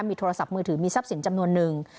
มีโทรศัพท์มือถือมีทรัพย์สินจำนวนนึง